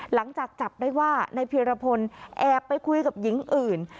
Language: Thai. หลังจากจับได้ว่านายเพียรพลแอบไปคุยกับหญิงอื่น